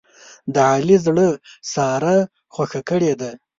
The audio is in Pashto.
د علي زړه ساره خوښه کړې ده.